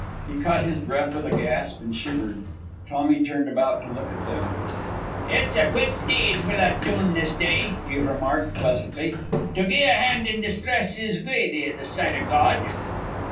He caught his breath with a gasp, and shivered. Tommy turned about to look at them. "It's a guid deed we'll 'a doon this day," he remarked, pleasantly. "To gie a hand in distress is guid i' the sight of God."